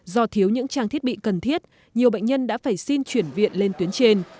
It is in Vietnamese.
do thiếu những trang thiết bị cần thiết nhiều bệnh nhân đã phải xin chuyển viện lên tuyến trên